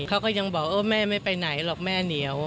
เขาก็ยังบอกเออแม่ไม่ไปไหนหรอกแม่เหนียว